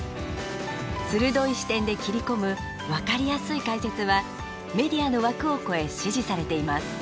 鋭い視点で切り込む分かりやすい解説はメディアの枠を超え支持されています。